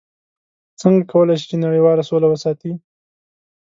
څنګه کولی شي چې نړیواله سوله وساتي؟